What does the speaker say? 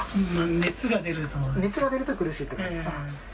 熱が出ると苦しいと？